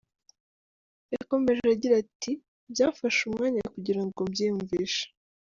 Yakomeje agira ati "Byamfashe umwanya kugira ngo mbyiyumvishe.